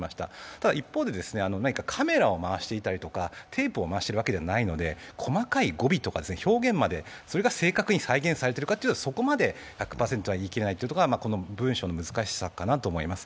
ただ一方で、何かカメラを回していたりとか、テープを回しているわけではないので、細かい語尾とか表現まで、それが正確に再現されているかについてはそこまで１００％は言い切れないというのが文書の難しさかなと思います。